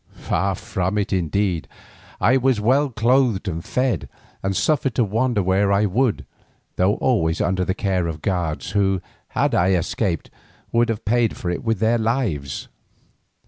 Far from it indeed, I was well clothed and fed, and suffered to wander where I would, though always under the care of guards who, had I escaped, would have paid for it with their lives.